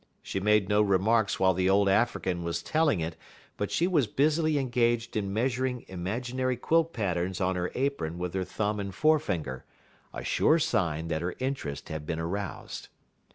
She made no remarks while the old African was telling it, but she was busily engaged in measuring imaginary quilt patterns on her apron with her thumb and forefinger, a sure sign that her interest had been aroused.